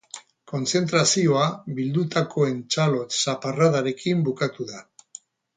Kontzentrazioa bildutakoen txalo-zaparradarekin bukatu da.